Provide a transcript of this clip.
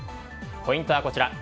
ポイントはこちら。